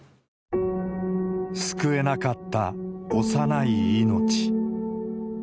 救えなかった幼い命。